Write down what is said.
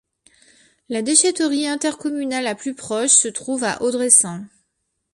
La déchetterie intercommunale la plus proche se trouve à Audressein.